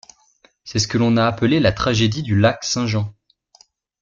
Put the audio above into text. C'est ce que l'on a appelé la tragédie du lac Saint-Jean.